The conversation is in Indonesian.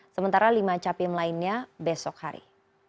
sementara lima capim lainnya besok hari